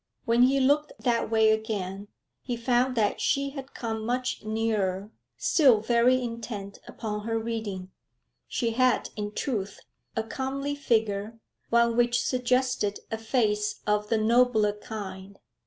When he looked that way again, he found that she had come much nearer, still very intent upon her reading. She had, in truth, a comely figure, one which suggested a face of the nobler kind.